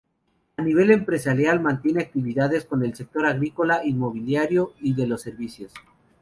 A nivel empresarial mantiene actividades con el sector agrícola, inmobiliario y de los servicios.